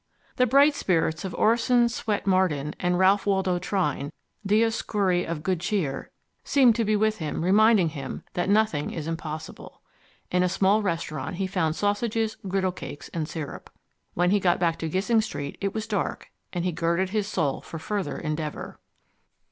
The bright spirits of Orison Swett Marden and Ralph Waldo Trine, Dioscuri of Good Cheer, seemed to be with him reminding him that nothing is impossible. In a small restaurant he found sausages, griddle cakes and syrup. When he got back to Gissing Street it was dark, and he girded his soul for further endeavour.